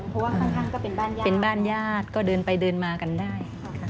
เพราะว่าข้างก็เป็นบ้านญาติค่ะก็เดินไปเดินมากันได้